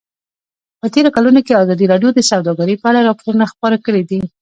په تېرو کلونو کې ازادي راډیو د سوداګري په اړه راپورونه خپاره کړي دي.